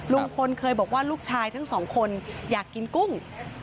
ลุงพลเคยบอกว่าลูกชายทั้งสองคนอยากกินกุ้ง